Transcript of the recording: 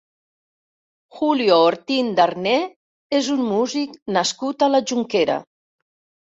Julio Ortín Darné és un músic nascut a la Jonquera.